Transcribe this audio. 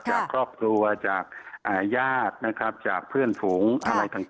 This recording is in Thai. จากครอบครัวจากญาตินะครับจากเพื่อนฝูงอะไรต่าง